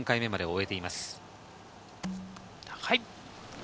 高い。